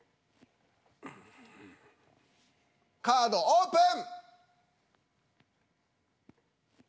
カードオープン！